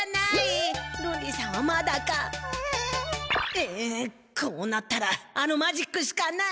ええいこうなったらあのマジックしかない！